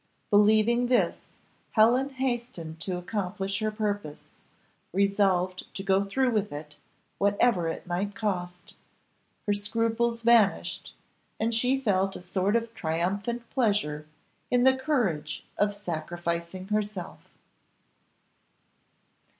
Believing this, Helen hastened to accomplish her purpose; resolved to go through with it, whatever it might cost; her scruples vanished, and she felt a sort of triumphant pleasure in the courage of sacrificing herself.